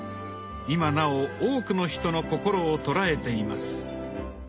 今なお多くの人の心を捉えています。